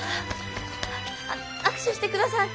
あっ握手して下さい！